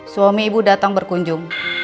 suami ibu datang berkunjung